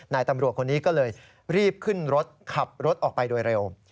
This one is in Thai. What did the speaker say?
นายตำรวจคนนี้ก็เลยรีบขึ้นรถขับรถออกไปโดยเร็ว